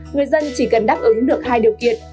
người dân chỉ cần đáp ứng được hai điều kiện